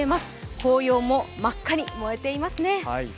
紅葉も真っ赤に燃えていますね。